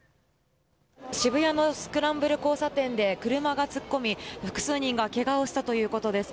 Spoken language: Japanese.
渋谷のスクランブル交差点で車が突っ込み複数人がけがをしたということです。